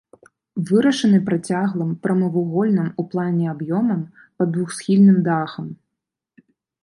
Вырашаны працяглым прамавугольным у плане аб'ёмам пад двухсхільным дахам.